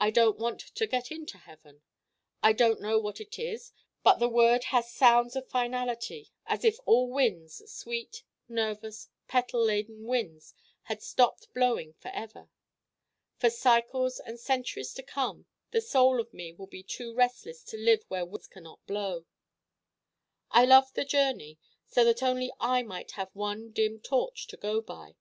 I don't want to get into heaven. I don't know what it is, but the word has sounds of finality, as if all winds, sweet nervous petal laden winds, had stopped blowing forever. For cycles and centuries to come the Soul of me will be too restless to live where winds can not blow. I love the journey: so that only I might have one dim torch to go by.